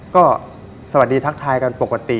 ก็สวัสดีทักทายกันปกติ